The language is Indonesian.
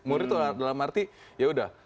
murid itu dalam arti yaudah